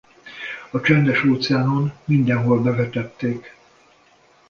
A Csendes-óceánon mindenhol bevetették.